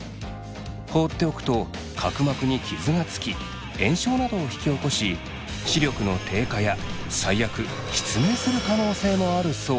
放っておくと角膜に傷がつき炎症などを引き起こし視力の低下や最悪失明する可能性もあるそう。